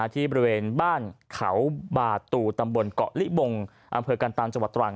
ที่บริเวณบ้านเขาบาตูตำบลเกาะลิบงอำเภอกันตังจังหวัดตรัง